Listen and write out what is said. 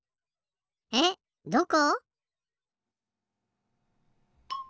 えっどこ？